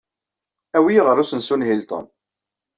Awi-iyi ɣer usensu n Hilton.